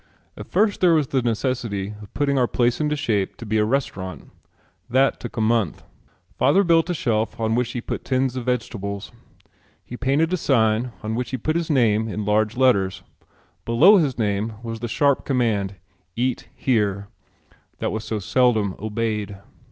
At first there was the necessity of putting our place into shape to be a restaurant. That took a month. Father built a shelf on which he put tins of vegetables. He painted a sign on which he put his name in large red letters. Below his name was the sharp command "EAT HERE" that was so seldom obeyed.